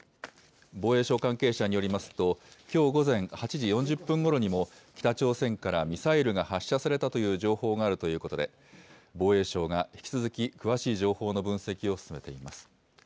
防衛省関係者によりますと、きょう午前８時４０分ごろにも、北朝鮮からミサイルが発射されたという情報があるということで、防衛省が引き続き詳しい情報の分析を進めています。